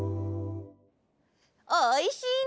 おいしいね。